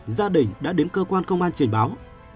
gia đình đã đến cơ quan công an trình báo